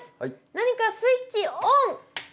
何かスイッチオン！